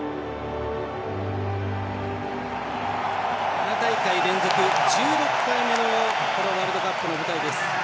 ７大会連続、１６回目のこのワールドカップの舞台です。